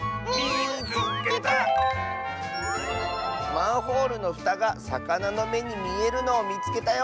「マンホールのふたがさかなの『め』にみえるのをみつけたよ」。